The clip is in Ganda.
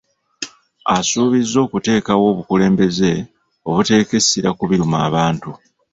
Asuubiza okuteekawo obukulembeze obuteeka essira ku biruma abantu.